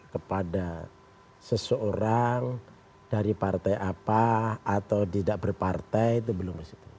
kepada seseorang dari partai apa atau tidak berpartai itu belum